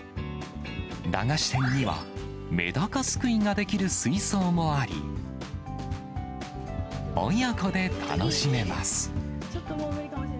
駄菓子店には、メダカすくいができる水槽もあり、親子で楽しめます。